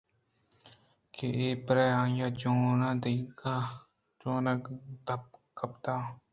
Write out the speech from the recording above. کہ اے پرے آہاں جوٛان دپ کپتگ اَت